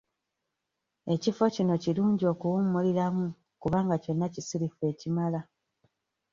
Ekifo kino kirungi okuwummuliramu kubanga kyonna kisirifu ekimala.